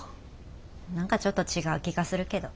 なんかちょっと違う気がするけど。